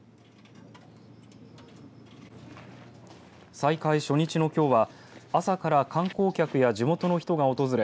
再開初日のきょうは朝から観光客や地元の人が訪れ